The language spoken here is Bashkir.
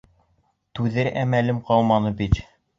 Түҙер әмәлем ҡалманы бит.